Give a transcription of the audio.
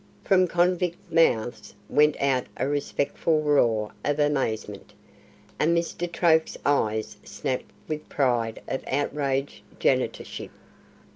From convict mouths went out a respectful roar of amazement, and Mr. Troke's eyes snapped with pride of outraged janitorship.